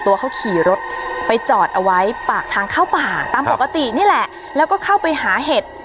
ตัวเขาขี่รถไปจอดเอาไว้ปากทางเข้าป่าตามปกตินี่แหละแล้วก็เข้าไปหาเห็ด